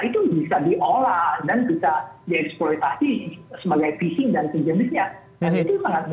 itu bisa diolah dan bisa dieksploitasi sebagai phishing dan sejenisnya